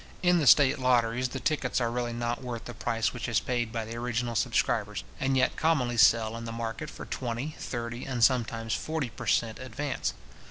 In the state lotteries, the tickets are really not worth the price which is paid by the original subscribers, and yet commonly sell in the market for twenty, thirty, and sometimes forty per cent. advance.